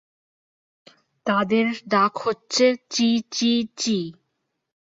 তাদের ডাক হচ্ছে "চি-চি-চি"।